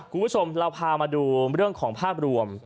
คุณผู้ชมเราพามาดูเรื่องของภาพรวม